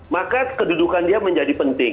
maka kedudukan dia menjadi penting